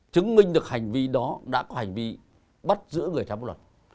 chứng minh được hành vi đó đã có hành vi bắt giữ người khác bằng luật